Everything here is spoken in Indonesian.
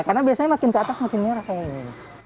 karena biasanya makin ke atas makin merah kayak gini